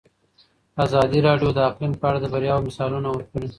ازادي راډیو د اقلیم په اړه د بریاوو مثالونه ورکړي.